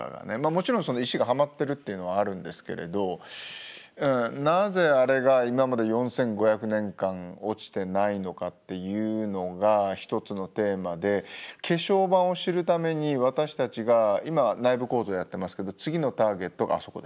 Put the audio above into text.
もちろん石がはまってるっていうのはあるんですけれどなぜあれが今まで４，５００年間落ちてないのかっていうのが一つのテーマで化粧板を知るために私たちが今内部構造をやっていますけど次のターゲットがあそこです。